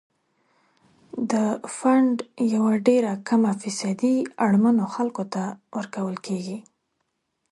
د فنډ یوه ډیره کمه فیصدي اړمنو خلکو ته ورکول کیږي.